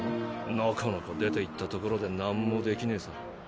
のこのこ出ていったところでなんもできねぇさ。